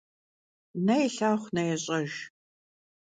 Ne yilhağu ne yêş'ejj.